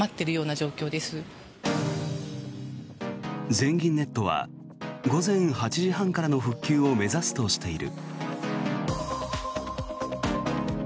全銀ネットは午前８時半からの復旧を目指すとしている。